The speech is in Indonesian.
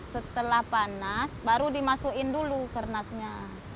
setelah panas baru dimasukin dulu kernasnya